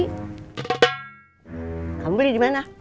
kamu beli dimana